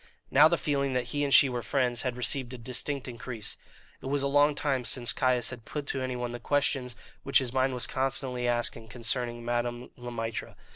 Now the feeling that he and she were friends had received a distinct increase. It was a long time since Caius had put to anyone the questions which his mind was constantly asking concerning Madame Le Maître.